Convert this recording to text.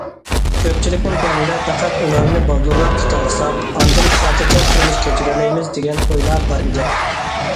كۆپچىلىكنىڭ كۆڭلىدە پەقەت ئۇلارنى بالدۇرراق تۇتالىساق، ئاندىن خاتىرجەم تۇرمۇش كەچۈرەلەيمىز، دېگەن ئويلا بار ئىدى.